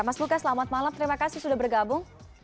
mas lukas selamat malam terima kasih sudah bergabung